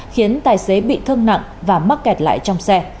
khiến tài xế bị thương nặng và mắc kẹt lại trong xe